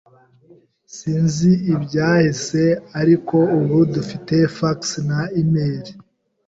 Sinzi ibyahise, ariko ubu dufite fax na imeri.